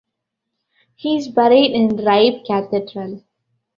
He is buried in Ribe Cathedral.